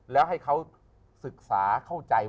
แล้วให้เขาศึกษาเข้าใจ